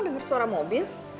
denger suara mobil